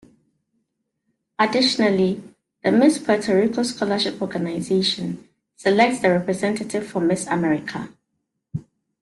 Additionally, the Miss Puerto Rico Scholarship Organization selects the representative for Miss America.